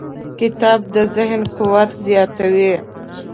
کتاب د ذهن قوت زیاتوي.